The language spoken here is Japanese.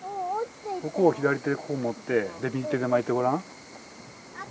ここを左手でここ持って右手で巻いてごらん。